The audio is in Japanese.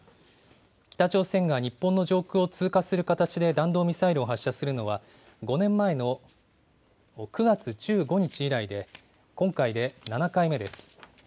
北朝鮮が日本の上空を通過する形で弾道ミサイルを発射するのは、５年前の９月１５日以来で、今回で７回目です。